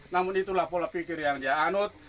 namun itulah pola pikir yang dia anut